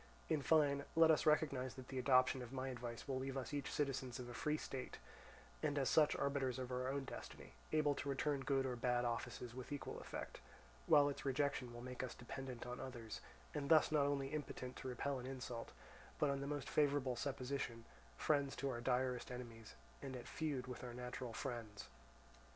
In fine, let us recognize that the adoption of my advice will leave us each citizens of a free state, and as such arbiters of our own destiny, able to return good or bad offices with equal effect; while its rejection will make us dependent on others, and thus not only impotent to repel an insult, but on the most favourable supposition, friends to our direst enemies, and at feud with our natural friends.